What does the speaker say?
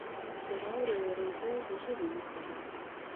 • د واورې اورېدل د ژمي نښه ده.